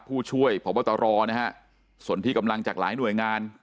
ผู้ช่วยพบตรนะฮะส่วนที่กำลังจากหลายหน่วยงาน